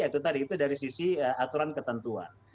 itu tadi itu dari sisi aturan ketentuan